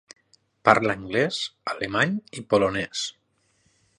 Parla anglès, alemany i polonès.